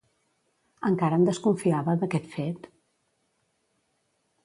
Encara en desconfiava, d'aquest fet?